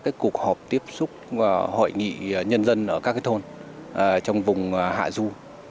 các cuộc họp tiếp xúc và hội nghị nhân dân ở các cái thôn trong vùng hạ du